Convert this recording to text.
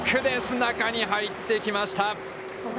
中に入ってきました。